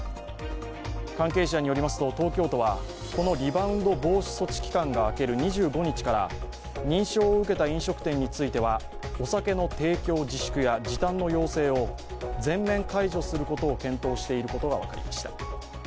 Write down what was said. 関係者によりますと東京都は、このリバウンド防止措置期間が明ける２５日から認証を受けた飲食店についてはお酒の提供自粛や時短の要請を全面解除することを検討していることが分かりました。